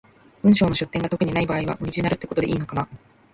文章の出典が特にない場合は、オリジナルってことでいいのかな？